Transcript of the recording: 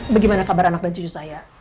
bagaimana kabar anak dan cucu saya